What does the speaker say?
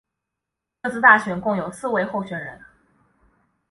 这次大选共有四位候选人。